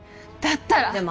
だったら